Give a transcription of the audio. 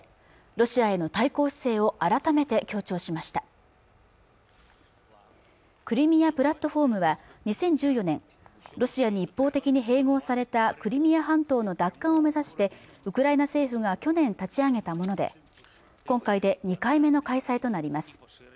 ロシアへの対抗姿勢を改めて強調しましたクリミアプラットフォームは２０１４年ロシアに一方的に併合されたクリミア半島の奪還を目指してウクライナ政府が去年立ち上げたもので今回で２回目の開催となります